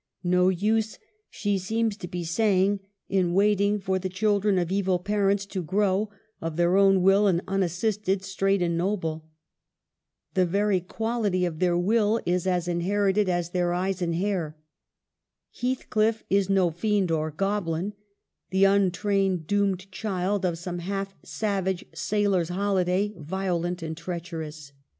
No use, she seems to be saying, in waiting for the children of evil parents to grow, of their own will and unassisted, straight and noble. The very quality of their will is as inherited as their eyes and hair. Heathcliff is no fiend or goblin ; the untrained doomed child of some half savage sailor's holiday, violent and treacherous.